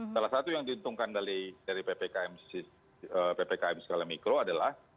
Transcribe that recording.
salah satu yang diuntungkan dari ppkm skala mikro adalah